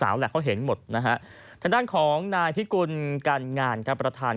สาวลักษณ์ก็เห็นหมดนะครับเท่าของนายพิกริกันงานการประทาน